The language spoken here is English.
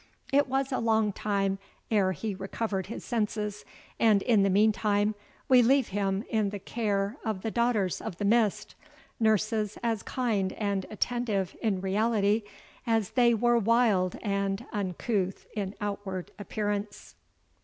It was a long time ere he recovered his senses; and, in the meantime, we leave him in the care of the Daughters of the Mist; nurses as kind and attentive, in reality, as they were wild and uncouth in outward appearance.